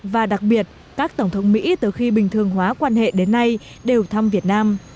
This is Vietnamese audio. và đặc biệt các tổng thống mỹ từ khi bình thường hóa quan hệ đến nay đều thăm việt nam